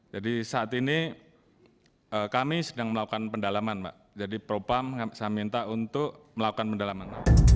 jadi saat ini kami sedang melakukan pendalaman jadi propam saya minta untuk melakukan pendalaman